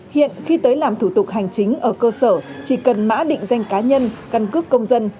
hiện khi tới làm thủ tục hành chính ở cơ sở chỉ cần mã định danh cá nhân căn cước công dân